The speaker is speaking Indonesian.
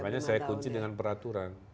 makanya saya kunci dengan peraturan